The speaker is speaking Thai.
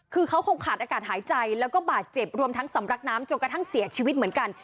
คือเขาคงขาดอากาศหายใจแล้วก็บาดเจ็บรวมทั้งสำรักน้ำจนกระทั่งเสียชีวิตเหมือนกัน